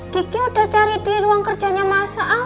kiki udah cari di ruang kerjanya mas